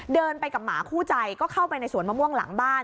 เดินไปกับหมาคู่ใจก็เข้าไปในสวนมะม่วงหลังบ้าน